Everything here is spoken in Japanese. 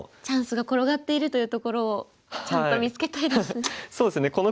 チャンスが転がっているというところをちゃんと見つけたいですね。